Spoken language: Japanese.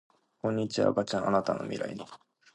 こんにちは赤ちゃんあなたの未来に